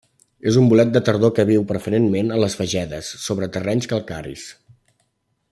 És un bolet de tardor que viu, preferentment, a les fagedes, sobre terrenys calcaris.